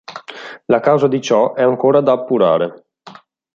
La causa di ciò è ancora da appurare.